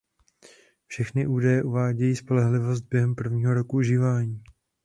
Všechny údaje uvádějí spolehlivost během prvního roku užívání.